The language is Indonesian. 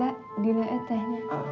maka dulu aja deh